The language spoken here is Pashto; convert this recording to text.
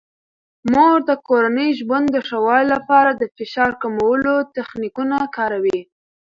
مور د کورني ژوند د ښه والي لپاره د فشار کمولو تخنیکونه کاروي.